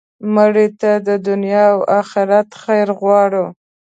مړه ته د دنیا او آخرت خیر غواړو